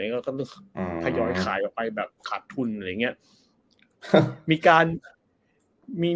ก็ต้องพยอยขายไปแบบขาดทุนอะไรอย่างเงี้ย